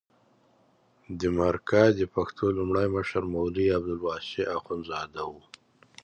د مرکه د پښتو لومړی مشر مولوي عبدالواسع اخندزاده و.